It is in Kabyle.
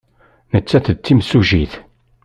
Nettat d timsujjit.